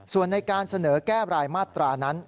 ส่วนในการเสนอแก้รายมาตรานั้น